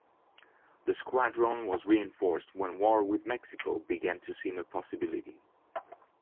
The squadron was reinforced when war with Mexico began to seem a possibility.